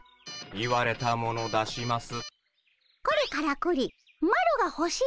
言われたもの出します。